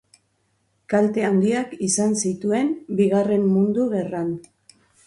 Kalte handiak izan zituen Bigarren Mundu Gerran.